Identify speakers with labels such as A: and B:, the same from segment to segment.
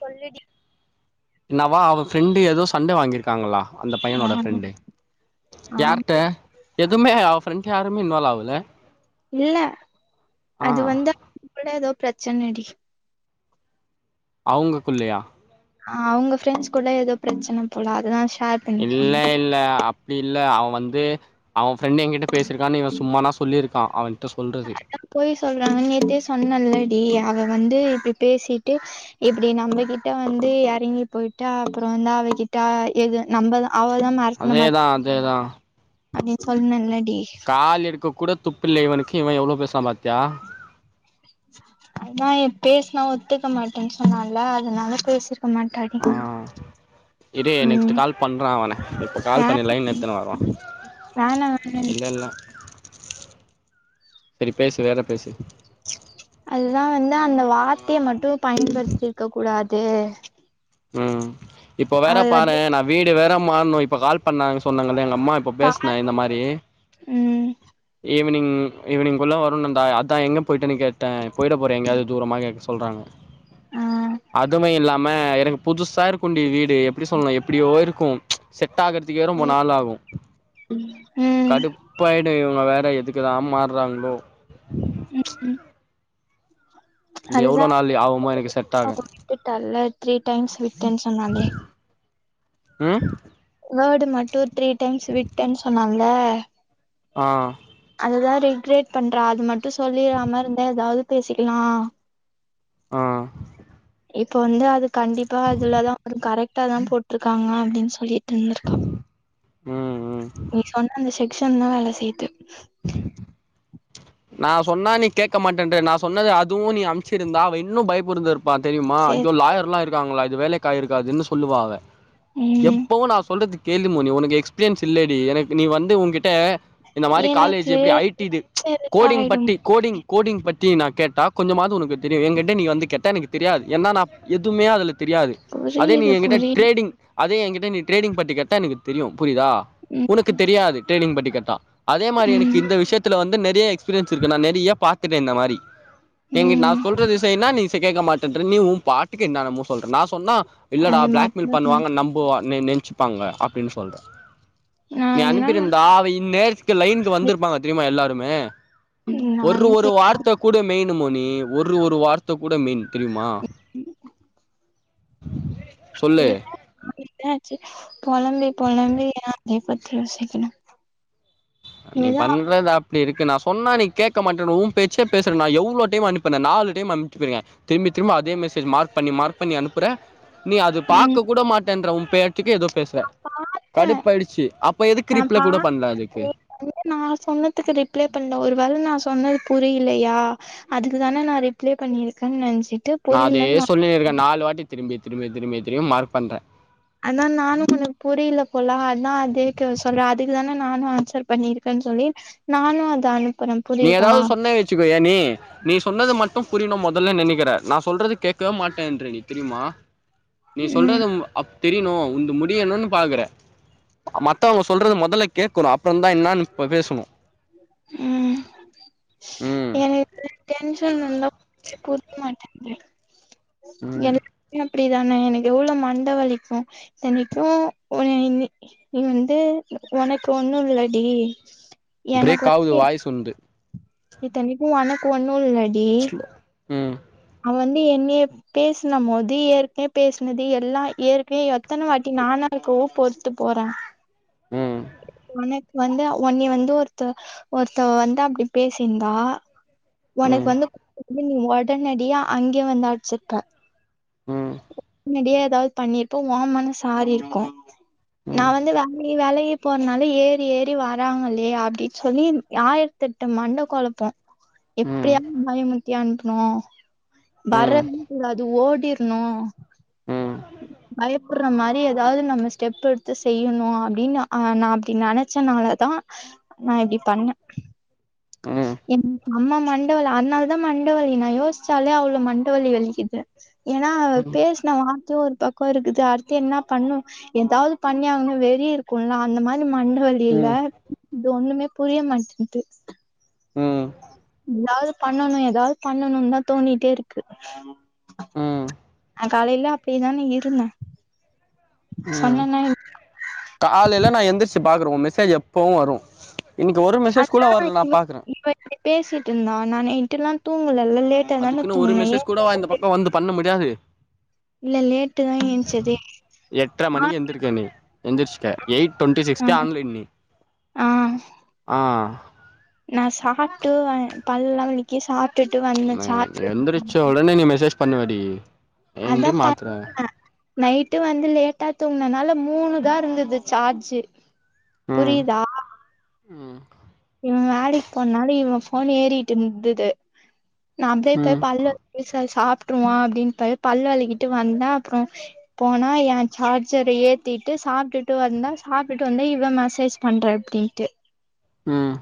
A: சொல்லுடி
B: இன்னாவோ அவ ஃப்ரெண்டு் ஏதோ சண்டே வாங்கியிருக்காங்களா அந்தப்
A: ஆ
B: பையனோட ஃப்ரெண்டு
A: ஆ
B: யார்ட்ட எதுவுமே அவ ஃப்ரெண்ட் யாருமே இன்வால்வ் ஆகல
A: இல்ல அது வந்து அவர் கூட எதோ பிரச்சனடி
B: அவுங்களுக்குள்ளையா
A: ஆ அவுங்க ஃப்ரண்ட்ஸ் கூட ஏதோ பிரச்சனை போல அதுதா ஷேர்
B: இல்ல
A: பண்ணிப்பாங்க
B: இல்ல அப்டி இல்ல அவே வந்து அவை ஃப்ரெண்ட் என்கிட்ட பேசிருக்கான்னு, இவ சும்மானா சொல்லியிருக்கா அவேகிட்ட சொல்றது
A: பொய் சொல்றாங்கன்னு நேத்தே சொன்னல்லடி அவ வந்து இப்டி பேசிட்டு இப்டி நம்மகிட்ட வந்து எறங்கி போயிட்டா அப்பறோ வந்தா அவகிட்ட எது நம்பதா அவ தா மெரட்னா நா மாரி
B: அதேதா அதேதா
A: அதையு சொன்னல்ல டி
B: ஆள் எடுக்க கூடோ துப்பில்ல இவனுக்கு இவே எவ்ளோ பேசுறா பாத்தியா
A: அதா இப் பேசுனா ஒத்துக்க மாட்டேன் சொன்னால்ல அதனால பேசிருக்க மாட்டா
B: ஆ
A: [inaudible]
B: இரு நெக்ஸ்ட்டு கால் பண்ற அவன இப்போ கால்
A: வேணா
B: பண்ணி லைன்ல எடுத்துனு வரோ
A: வேணா வேணான்
B: இல்லல்ல சேரி பேசு வேற பேசு
A: அதுதா வந்து அந்த வார்த்தைய மட்டு பயன்படுத்தி இருக்க கூடாது
B: ம் இப்ப வேற
A: அது
B: பாரே
A: வந்து
B: நா வீடு வேற மாற்னு இப்ப கால் பண்ணாங்க சொன்னாங்கல்ல எங்க அம்மா இப்போ
A: கார்
B: பேசுன இந்த மாரி
A: ம்
B: ஈவ்னிங் ஈவ்னி்ங்குள்ள வருனு அந்தா ஆயா அதா எங்க போயிட்டேன்னு கேட்டே போயிட போற எங்கயாது தூரமா கேக்க சொல்றாங்க
A: [inaudible]
B: அதுமே இல்லாம எனக்கு புதுசா இருக்குன்டி வீடு எப்டி சொல்னு எப்டியோ இருக்கு செட் ஆகறதுக்கே ரொம்ப
A: ம்
B: நாள் ஆகு
A: ம்
B: கடுப்பாயிடு இவுங்க வேற எதுக்குதா மார்றாங்களோ
A: ம்
B: இங்க எவ்ளோ நாள் ஆவுமோ எனக்கு செட் ஆக
A: விட்டுட்டால்ல த்ரீ டைம்ஸ் விட்டேன்னு சொன்னாலே
B: ம்
A: வேர்டு மட்டு த்ரீ டைம்ஸ் விட்டேன்னு சொன்னால்ல
B: ஆ.
A: அதுதான் ரிக்ரேட் பண்றா.. அது மட்டும் சொல்லிராம இருந்தா.. ஏதாவது பேசிக்கலாம்!
B: ஆ
A: இப்ப வந்து அது கண்டிப்பா அதுலதான் ஒரு கரெக்ட்டாதான் போட்ருக்காங்க அப்டின்னு சொல்லி இல்லப்பா
B: ம் ம்
A: நீ சொன்ன அந்த செக்க்ஷன்தான் வேல செய்யுது!
B: நா சொன்னா நீ கேக்க மாட்டேன்ட! நான் சொன்னது அதுவும் நீ அமுச்சிருந்தா அவ இன்னும் பயமுறுந் அப்பா தெரியுமா? ஐயோ
A: சேரி
B: லாயர்ல்லாம் இருக்காங்களா? இது வேலைக்கு ஆய் இருக்காதுன்னு சொல்லுவா அவ!
A: ம்
B: எப்பவும் நான் சொல்றது கேளு மொதல்ல.. உனக்கு எக்ஸ்பீரியன்ஸ் இல்லடி! எனக்கு.. நீ வந்து உன்கிட்ட.. இந்த மாரி காலேஜ்
A: எனக்கு
B: எப்டி? ஐடி விங்.. கோடிங்
A: ஆயிடும்
B: பத்தி.. கோடிங்.. கோடிங் பத்தி நான் கேட்டா... கொஞ்சமாவது உனக்கு தெரியும், என் கிட்ட நீ வந்து கேட்டா.. எனக்கு தெரியாது! ஏன்னா நா... எதுவுமே அதுல தெரியாது! அதே நீ
A: புரியுது
B: எங்கிட்ட
A: புரியுது
B: ட்ரேடிங்... அதே என்கிட்ட நீ ட்ரேடிங் பத்தி கேட்டா... எனக்கு தெரியும்! புரிதா?
A: ம்
B: உனக்கு தெரியாது டிரேடிங் பட்டி கேட்டா... அதே மாரி எனக்கு
A: ம்
B: இந்த விஷயத்துல வந்து நெறய எக்ஸ்பீரியன்ஸ் இருக்கு! நான் நெறைய பாத்துட்டேன் இந்த மாரி! எங்கிட்ட.. நா
A: ம்
B: சொல்றது செய்ன்னா நீ கேக்க மாட்டேன்ற! நீ உன் பாட்டுக்கு என்னனமோ சொல்ற.. நா சொன்னா.. இல்லடா..
A: அது
B: பிளாக் மெயில்
A: மட்டும்
B: பண்ணுவாங்க நம்புவா நென் நென்ச்சுப்பாங்க, அப்டின்னு சொல்ற
A: நா
B: நீ
A: என்ன
B: அனுப்பியிருந்தா.. அவ இந்நேர்த்துக்கு லைனுக்கு வந்திருப்பாங்க தெரியுமா? எல்லாருமே! ஒரு
A: நானு
B: ஒரு.. வார்த்த கூட மெயினு மோனி.. ஒரு.. ஒரு வார்த்த கூட மெயினு.. தெரியுமா? சொல்லு
A: பொலம்பி பொலம்பி ஏன் அத பத்தி யோசிக்கணும்!
B: நீ பண்ணறது அப் அப்டியிருக்கு! நா சொன்னா நீ கேக்க மாட்ற உன் பேச்சே பேசற நா எவ்ளோ டைம் அனுப்புன.. நாலு டைம் அனுப்பிச்சிட்ருக்கேன்! திரும்பி திரும்ப அதே மெசேஜ் மார்க் பண்ணி மார்க் பண்ணி அனுப்புற நீ அது
A: ம்
B: பாக்க கூட மாட்டேன்ற உன் பேய்த்க்கு ஏதோ பேசுவே
A: பாத்தே
B: கடுப்பாயிடுச்சு அப்ப எதுக்கு ரிப்ளை கூட பண்ல அதுக்கு
A: அது மாறி நா சொன்னதுக்கு ரிப்ளை பண்ல ஒரு வேல நா சொன்னது புரிலையா அதுக்கு தான நான் ரிப்ளை பண்ணியிருக்கேன்ன்னு நென்ச்சிட்டு
B: நான் அதே சொல்லினுருக்கேன் நாலு வாட்டி திரும்பி திரும்பி திரும்பி திரும்பி மார்க் பண்றன்
A: அதான் நானும் உனக்கு புரில போலா அதான் அதேக்கு சொல்றேன் அதுக்கு தான நானும் ஆன்சர் பண்ணியிருக்கேன்னு சொல்லி நானும் அத அனுப்புறன்
B: நீ ஏதாவது சொன்ன வச்சுக்க ஏ நீ நீ சொன்னது மட்டும் புரியணும் முதல்ல நெனைக்கிற நா சொல்றது கேட்கவே மாட்டேன்ற நீ தெரியுமா நீ
A: ம்
B: சொல்றது அப் தெரியணும் உன்து முடியணும்ன்னு பாக்குற மத்தவங்க சொல்றது முதல்ல கேக்கணும் அப்புறம் தான் என்னான்னு பேசணும்
A: ம்
B: ம்
A: எனக்கு டென்ஷன் வந்தா புரியமாட்டன்து
B: ம்
A: எனக்கு [inaudible] அப்டிதானே எனக்கு எவ்ளோ மண்ட வலிக்கும் இத்தனைக்கும் நீ வந்து ஒனக்கு ஒண்ணும் இல்லடி
B: பிரேக் ஆவுது வாய்ஸ் உன்து
A: இத்தனிக்கும் ஒனக்கு ஒண்ணும் இல்லடி
B: ம்
A: அவன் வந்து என்னைய பேசுன மோது ஏற்கனே பேசுனது எல்லாம் ஏற்க்னே எத்தன வாட்டி நானா இருக்கவும் பொறுத்து போறேன்
B: ம்
A: உனக்கு வந்து ஒன்னி வந்து ஒருத்த ஒருத்தவ வந்து அப்டி பேசியிருந்தா உனக்கு
B: ம்
A: வந்து நீ உடனடியா அங்கே வந்து அடிச்சிருப்ப
B: ம்
A: முன்னடியே ஏதாவது பண்ணிருப்ப வொ மனசு ஆரிருக்கும் நா
B: ம்
A: வந்து வெலகி வெலகி போறனால ஏறி ஏறி வா ராங்களே அப்டின்னு சொல்லி ஆயிரத்தி எட்டு மண்ட கொழப்போ
B: ம்
A: எப்டியாவ பயமுத்தி அனுப்பனு
B: ம்
A: வரவே
B: ம்
A: கூடாது ஓடிர் னோ பயப்படுற மாரி ஏதாவது நம்ம ஸ்டெப் எடுத்து செய்யணு அப்டின்னு அ நா அப்டி நெனைச்சனால தா நா இப்டி பண்ணே
B: ம்
A: எனக்கு அம்மா மண்டவலி அதனால தா மண்டவலி நா யோசிச்சாலே அவ்ளவு மண்டவலி வலிக்குது ஏன்னா அவே
B: ம்
A: பேசின வார்த்தையு ஒரு பக்கோ இருக்குது அடுத் து என்ன பண்ணு ஏதாவது பண்ணியாகனு வெறி இருக்குலா அந்த மாரி மண்ட வலில்ல
B: ம்
A: இது ஒண்ணுமே புரிய மாட்டேன்து
B: ம்
A: ஏதாவது பண்ணணு ஏதாவது பண்ணணு தா தோணிட்டே இருக்கு
B: ம்
A: நா காலையில அப்டிதானே இருந்தே சொன்னேனா
B: காலேல நா எந்திருச்சு பாக்றே உ மெசேஜ் எப்பவு வரு இன்னைக்கு ஒரு மெசேஜ் கூட வர்றல நா பாக்கறே
A: பேசிட்டுருந்தா நா நைட்டெல்லா தூங்கலல்ல லேட்
B: அதுக்குன்னு ஒரு மெசேஜ் கூடவ இந்த பக்கோ வந்து பண்ண முடியாது
A: இல்ல லேட்டு தா எஞ்சதே
B: எட்டரை மணி எந்திருக்கே நீ எந்திரிருச்ட எயிட் டொண்ட்டி சிக்ஸ்கே ஆன்லைன் நீ
A: ஆ
B: ஆ
A: நா சாப்ட்டு பல்லெல்லா வெளக்கி சாப்ப
B: மே எந்தருச்ச உடனே நீ மெசேஜ் பண்ணுவடி
A: அதா
B: ஏன்டி
A: ப
B: மாத்துற
A: ன நைட்டு வந்து லேட்டா தூங்கினதுனால மூணுதா இருந்தது சார்ஜு
B: ம்
A: புரியுதா
B: ம்
A: இவ வேலைக்கு போனாலு இவ ஃபோன் ஏறிட்டு இருந்துது நா அப்டியே போய்
B: ம்
A: பல்ல விசா சாப்பிருவோ அப்டின்னு போய் பல்லு வெளக்கிட்டு வந்த அப்புறோ போனா என் சார்ஜரை ஏத்திட்டு சாப்புட்டுட்டு வந்தா சாப்புட்டுட்டு வந்தா இவ மெசேஜ் பண்றே அப்டின்ட்டு
B: ம்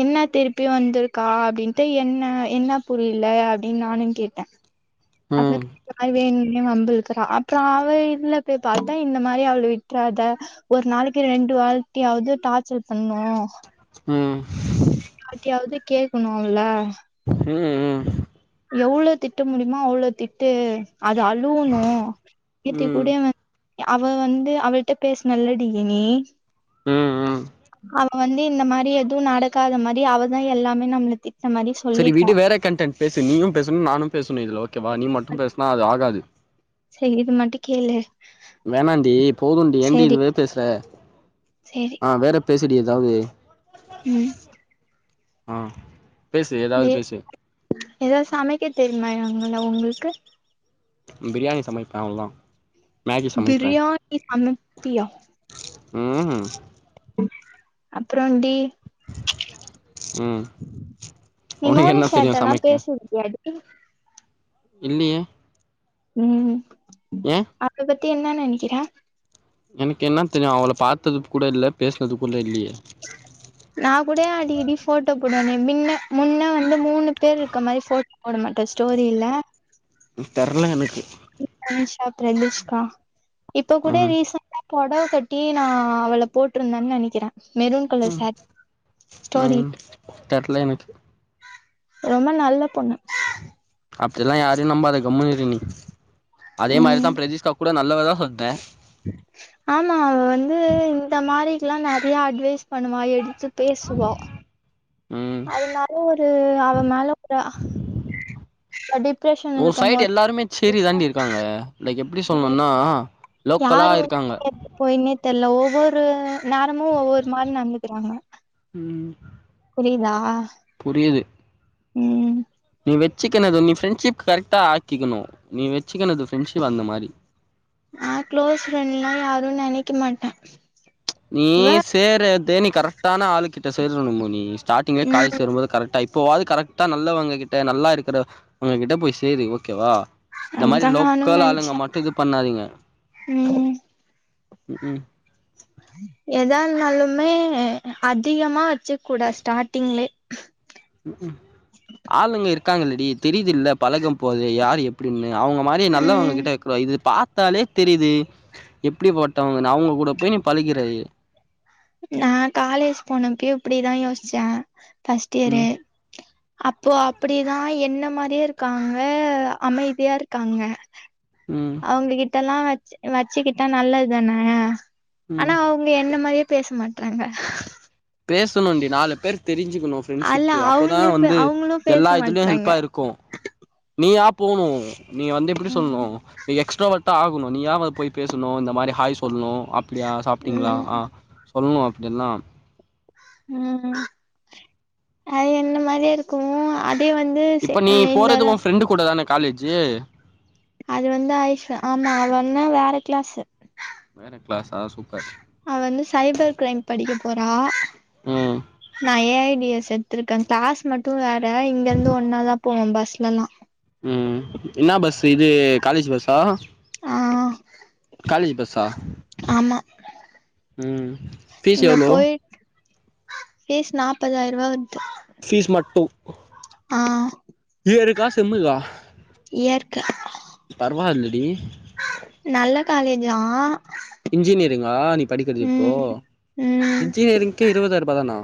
A: என்ன திருப்பி வந்திருக்கா அப்டின்னுட்டு என்ன என்ன புரியல அப் படின்னு நானு கேட்ட
B: ம்
A: அப்புற
B: ம்
A: [unintelligible] வம்பிளுக்கற அப் ட்ராவையிதுல போய் பாத்தா இந்த மாரி அவள விட்டுறாத ஒரு நாளைக்கு ரெண்டு வாட்டியாவது டார்ச்சல் பண்ணனு
B: ம்
A: யார்ட்டியாவது கேக்கணு அவள
B: ம் ம்
A: எவ்ளோ திட்ட முடியுமோ அவ்ளோ திட்டு அது அழுவணு நேத்தி கூட இவ அவ வந்து அவள்ட்ட பேசுனல்லடி நீ
B: ம் ம் ம்
A: அவ் வ வந்து இந்த மாரி எதுவு நடகாத மாரி அவதா எல்லாமே நம்மள திட்ன மாரி
B: சரி
A: சொல்லிட்டா
B: விடு வேற கண்டென்ட் பேசு நீயு பேசணு நானு பேசணு இதில ஓகேவா நீ மட்டு பேசினா அது ஆகாது
A: செரி இது மட்டு கேளு
B: வேணாண்டி போது டி ஏன்டி
A: சேரி
B: இதுவே பேசற
A: சேரி
B: ஆ வேற பேசிடி ஏதாவது
A: ம்
B: ஆ பேசு ஏதாவது
A: ஏ
B: பேசு
A: ஏதாவது சமைக்க தெரியுமா எங்கல உங்ளுக்கு.
B: பிரியாணி சமைப்பே அவ்ள்தா
A: பிரியாணி சமைப்பியா
B: ம் ம்
A: அப்றோன் டி
B: ம்
A: நீ
B: உனக்கு என்ன தெரியு
A: மோனிஷாட்டல்லா
B: சமைக்க
A: பேசிற்கியாடி
B: இல்லயே
A: ம்.
B: ஏ
A: அவள பத்தி என்ன நினைக்கிறே.
B: எனக்கு என்ன தெரியு அவள பாத்தது கூட இல்ல, பேசினது கூட இல்லையே.
A: நா கூட அடிக்கடி ஃபோட்டோ போடுவனே, மின்ன முன்ன வ ந்து மூணு பேர் இருக்க மாரி ஃபோட் போட மாட்டே ஸ்டோரில,
B: தெர்ல எனக்கு
A: [inaudible] ப்ரனிஷா பிரதிஷ்கா இப்ப கூட
B: ம்
A: ரீசன் டா பொடவ கட்டி நா அவள போட்ருந்தன் நெனைக்கிறே மெரூன் கலர் சே [inaudible] ஸ்டோரி
B: ம் தெர்ல எனக்கு
A: ரொம்ப நல்ல பொண்ணு
B: அப்டில்லா யாரையு நம்பாத கம்மமுனு இரு நீ. அதே மாதிரிதா
A: ம்.
B: பிரதீஷ்கா கூட நல்லவதா சொன்னே.
A: [unintelligible] ஆமா அவ வந்து இந்த மாரிக்லா நெறைய அட்வைஸ் பண்ணுவா, எடுத்து பேசுவா.
B: ம்
A: அதனால ஒரு அவ மேல ஒரு டிப்ரெஷன்ல
B: ஒரு
A: இருக்கும்
B: சைடு
A: போது
B: எல்லாருமே சேரி தாண்டி இருக்காங்க லைக் எப்டி
A: [inaudible] ம்.
B: சொல்ணுன்னா லோக்கலா
A: யாரு
B: இருக்காங்க
A: [inaudible] பொய்யின்னே தெர்ல. ஒவ்வொரு நேரமு ஒவ்வொரு மாரி நடந்துகிறாங்க.
B: ம்
A: புரியுதா
B: புரியுது
A: ம்
B: நீ வச்சுக்கணு இது வ நீ ஃப்ரெண்ட்ஷிப் கரெக்ட்டா ஆக்கிக்கணு நீ வச்சுக்கனது ஃப்ரெண்ட்ஷிப் அந்த மாரி
A: ஆ க்ளோஸ் ஃப்ரெண்ட்லா யாரும் நெனைக்க மாட்டே
B: நீ
A: இவ
B: சேர்ரதே நீ கரெக்ட்டான ஆளு கிட்ட சேர்ல அம்மு நீ ஸ்டாட்டிங்கே காலேஜ்
A: ம்
B: சேரும்போது கரக்ட்டா இப்போவாது கரெக் ட்டா நல்லவங்ககிட்ட நல்லா இருக்கிற அவங்ககிட்ட போய் சேரு ஓக்கேவா இந்த மாரி
A: அதுதா நானு
B: லோக்கல் ஆளுங்க
A: நெனச்சே
B: மட்டு இது பண்ணாதீங்க
A: ம்
B: ம்ஹூம்
A: எதா இருந்தாலுமே அதிகமா வச்சு கூடா ஸ்டார்ட்டிங்லே
B: ம்ஹூம் ஆளுங்க இருக்காங்க இல்லடி தெரியுதுல்ல பழகம் போதே யாரு எப் டின்னு அவுங்க மாரி நல்லவங்க
A: ம்
B: கிட்ட வெக்கிற இது பாத் தாலே தெரியுது எப்டி பட்டவங்கனு அவுங்க கூட போய் நீ பழகிர்ற
A: நா காலேஜ் போனப்பயு இப்டிதா யோசிச்சே ஃபஸ்ட்டியரு
B: ம்
A: அப்போ அப்டிதா என்ன மாரியே இருக்காங்க அமைதியா இருக்காங்க
B: ம்
A: அவுங்ககிட்டெல்லா வச் வச்சுக்கிட்டா நல்லது தானே
B: ம்
A: ஆனா அவு ங்க என்ன மாரியே பேச மாட்றாங்க
B: பேசணுன்டி நாலு பேர் தெரிஞ்சுக்கணு
A: அல்ல
B: ஃபிரெண்ட்ஷிப்பு அப்போதா
A: அவங்களே
B: வந்து
A: அவங்களு பேச
B: எல்லா இதுலயு
A: மாட்றாங்க
B: ஹெல்ப்பா இருக்கு நீயா போணு நீ வந்து எப்டி சொல்ணு
A: ம்
B: நீ எக்ஸ்ட்ரா வ ஆகணு நீயாவ போய் பேசணு இந்த மாரி ஹாய் சொல்ணு அப்பிடியா சாப்ட்டீங்ளா ஆ
A: ம்
B: சொல்ணு அப்பிடியெல்லாம்
A: ம் அது என்ன மாரியே இருக்குமோ அதே வந்
B: இப்ப நீ போறது உ ஃப்ரெண்டு கூட தான காலேஜு
A: அது வந்து ஆய்ஷா ஆமா அவ அனா வேற க்ளாஸு
B: வேற க்ளாஸா சூப்பர்
A: அவ வந்து சைபர் க்ரைம் படிக்க போறா
B: ம்
A: நா ஏ ஐ டி எஸ் எத் துருக்கே க்ளாஸ் மட்டு வேற இங்க இருந்து ஒன்னாதா போவோ பஸ்லெல்லா
B: ம் இன்னா பஸ்ஸு இது காலேஜ் பஸ்ஸா
A: ஆ
B: காலேஜ் பஸ்ஸா
A: ஆமா
B: ம் ஃபீஸ்
A: இங்க
B: எவ்ளோ
A: போய்ட் ஃபீஸ் நாப்பதாயிருபா வர்து
B: ஃபீஸ் மட்டு இயருக்கா செம்முக்கா
A: இயர்க்கு
B: பருவா இல்லடி
A: நல்ல காலேஜ்தா
B: இன்ஜினியரிங்கா நீ படிக்கிற்து இப்போ
A: ம்
B: இன்ஜினியரிங்க்கு இருவதாயிருபாதானா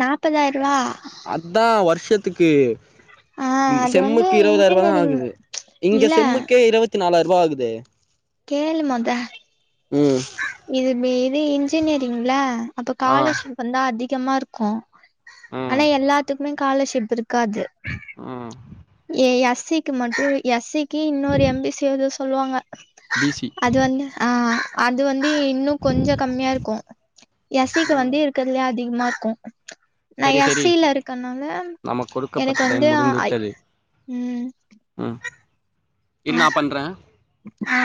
A: நாப்பதாயிருவா
B: அத்தா வருஷத்துக்கு
A: ஆ
B: ம்
A: அது வந்து
B: செம்முக்கு இருவதாயிருபாதான
A: இன்ஜினியரிங்
B: ஆகுது இங்க
A: இல்ல
B: செம்முக்கே இருவத்தி நாலாயிருபா ஆகுதே
A: கேளு மொத
B: ம்
A: இது வே இது இன்ஜினேரிங்ல அப்போ
B: ஆ
A: காலேஜ் வந்தா அதிகமா இருக்கு
B: ம்
A: ஆனா எல்லாத்துக்குமே காலர்ஷிப் இருக்காது
B: அ
A: ஏ எஸ் சி க்கு மட்டு எஸ் சி க்கு இன்னொரு எம் பி சி எதோ சொல்லுவாங்க
B: பி சி
A: அது வந்து ஆ அது வந்து இன்னு கொஞ்சு கம்மியா இருக்கு எஸ் சி க்கு
B: ம்
A: வந்து இருக்கிற்துல்யே அதிகமாருக்கு
B: செரி செரி நமக் குடுக்கப்பட்ட
A: எனக்கு வந்து
B: டைம் முடிந்து
A: ஐ
B: விட்டது
A: ம்
B: ம் இரு
A: ஆ
B: நா பண்றே
A: ஆ